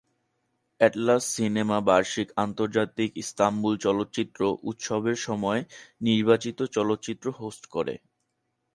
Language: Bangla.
অ্যাটলাস সিনেমা বার্ষিক আন্তর্জাতিক ইস্তাম্বুল চলচ্চিত্র উৎসবের সময় নির্বাচিত চলচ্চিত্র হোস্ট করে।